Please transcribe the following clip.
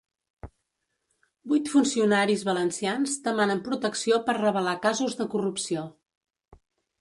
Vuit funcionaris valencians demanen protecció per revelar casos de corrupció.